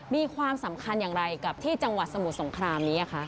มีความสำคัญอย่างไรกับที่จังหวัดสมุทรสงครามนี้